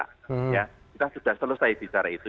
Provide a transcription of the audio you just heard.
kita sudah selesai bicara itu